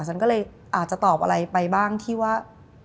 ฉันก็เลยอาจจะตอบอะไรไปบ้างที่ว่า